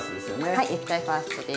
はい「液体ファースト」です。